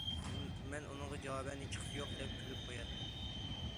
مەن ئۇنىڭغا جاۋابەن،« ھېچقىسى يوق» دەپ كۈلۈپ قوياتتىم.